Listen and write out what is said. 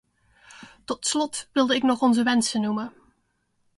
Tot slot wilde ik nog onze wensen noemen.